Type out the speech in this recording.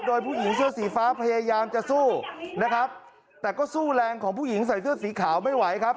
โดยผู้หญิงเสื้อสีฟ้าพยายามจะสู้นะครับแต่ก็สู้แรงของผู้หญิงใส่เสื้อสีขาวไม่ไหวครับ